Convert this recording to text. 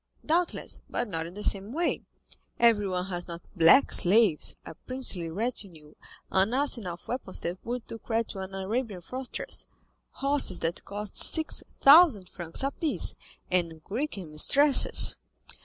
"Doubtless, but not in the same way; everyone has not black slaves, a princely retinue, an arsenal of weapons that would do credit to an Arabian fortress, horses that cost six thousand francs apiece, and Greek mistresses."